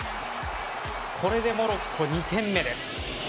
これでモロッコ２点目です。